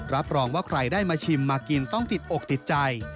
รับรองว่าใครได้มาชิมมากินต้องติดอกติดใจ